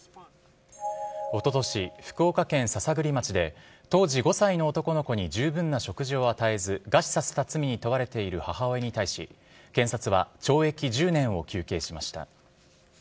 おととし、福岡県篠栗町で、当時５歳の男の子に十分な食事を与えず、餓死させた罪に問われている母親に対し、検察は懲役１０年を求刑しました。